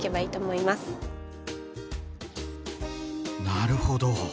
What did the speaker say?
なるほど！